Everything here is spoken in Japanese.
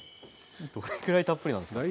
どれくらいたっぷりなんですか？